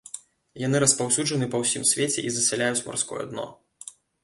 Яны распаўсюджаны па ўсім свеце і засяляюць марское дно.